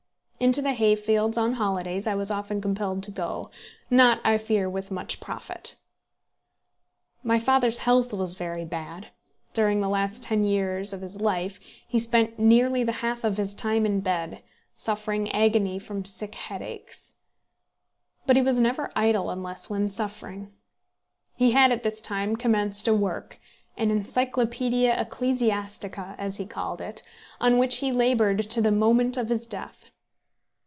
Into the hay field on holidays I was often compelled to go, not, I fear, with much profit. My father's health was very bad. During the last ten years of his life, he spent nearly the half of his time in bed, suffering agony from sick headaches. But he was never idle unless when suffering. He had at this time commenced a work, an Encyclopædia Ecclesiastica, as he called it, on which he laboured to the moment of his death.